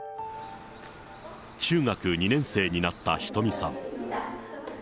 中学２年生になったひとみさん。